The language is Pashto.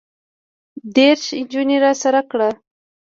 دېرش نجونې راسره کړه.